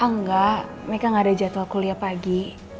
enggak meka gak ada jadwal kuliah pagi